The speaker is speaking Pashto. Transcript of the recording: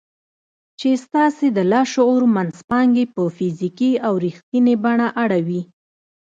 چې ستاسې د لاشعور منځپانګې په فزيکي او رښتينې بڼه اړوي.